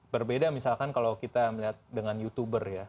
berbeda misalkan kalau kita melihat dengan youtuber ya